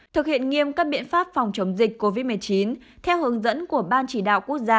thực hiện nghiêm các biện pháp phòng chống dịch covid một mươi chín theo hướng dẫn của ban chỉ đạo quốc gia